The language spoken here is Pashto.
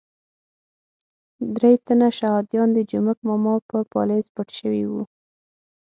درې تنه شهادیان د جومک ماما په پالیز پټ شوي وو.